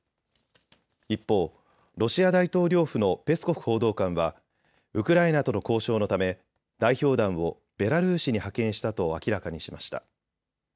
一方、ロシア大統領府のペスコフ報道官はウクライナとの交渉のため代表団をベラルーシに派遣したと明らかにしました。